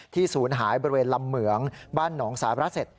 ศูนย์หายบริเวณลำเหมืองบ้านหนองสาระเสร็จ